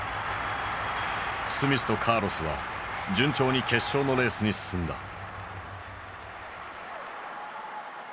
スミスとカーロスは順調に決勝のレースに進んだ。